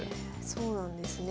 そうなんですね。